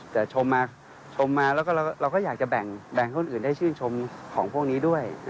แต่ชมมาแล้วก็เราก็อยากจะแบ่งคนอื่นได้ชื่นชมของพวกนี้ด้วย